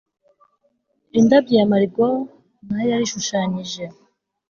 Indabyo ya marigold nayo yarishushanyije